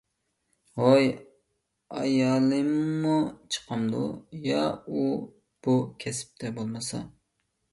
ھوي، ئايالىممۇ چىقامدۇ؟ يا ئۇ بۇ كەسىپتە بولمىسا.